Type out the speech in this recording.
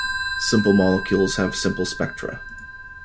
Simple molecules have simple spectra.